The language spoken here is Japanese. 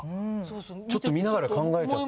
ちょっと見ながら考えちゃった。